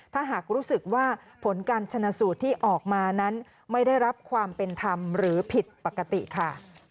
ถ้าหากรู้สึกว่าผลการชนะสูตรที่ออกมานั้นไม่ได้รับความเป็นธรรมหรือผิดปกติค่ะ